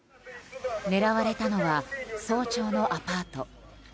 狙われたのは早朝のアパート。